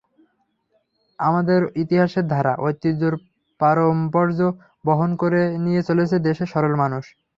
আমাদের ইতিহাসের ধারা, ঐতিহ্যের পারম্পর্য বহন করে নিয়ে চলেছে দেশের সরল মানুষ।